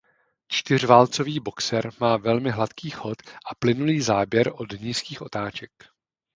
Čtyřválcový boxer má velmi hladký chod a plynulý záběr od nízkých otáček.